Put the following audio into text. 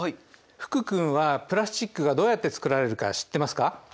福君はプラスチックがどうやってつくられるか知ってますか？